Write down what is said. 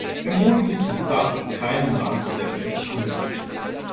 Vermutlich ist das in keinem Land der Welt anders.